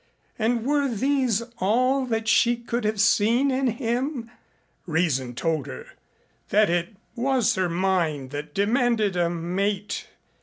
And were these all that she could have seen in him? Reason told her that it was her mind that demanded a mate.